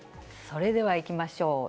それではいきましょう。